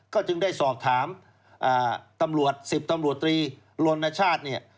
ก็จึงได้สอบถาม๑๐ตำรวจตรีลนชาติ